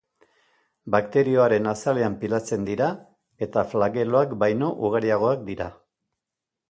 Bakterioaren azalean pilatzen dira eta flageloak baino ugariagoak dira.